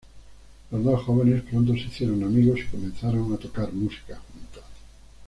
Los dos jóvenes pronto se hicieron amigos y comenzaron a tocar música juntos.